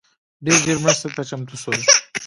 ډېر ژر مرستي ته چمتو سول